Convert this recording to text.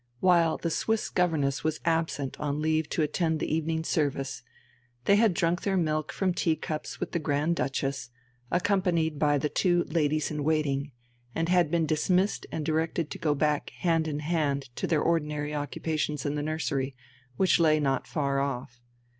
While the Swiss governess was absent on leave to attend the evening service, they had drunk their milk from tea cups with the Grand Duchess, accompanied by the two ladies in waiting, had been dismissed and directed to go back hand in hand to their ordinary occupations in the nursery, which lay not far off.